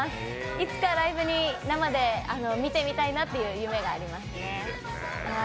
いつかライブに、生で見てみたいなという夢がありますね。